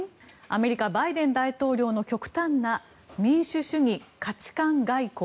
アメリカ、バイデン大統領の極端な民主主義価値観外交。